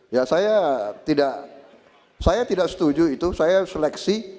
ya saya tidak setuju itu saya seleksi